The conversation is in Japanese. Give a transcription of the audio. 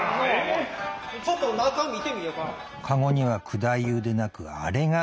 ちょっと中見てみよか。